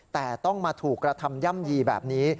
แต่ต้องมาถูกกระทำย่ำยีแบบนี้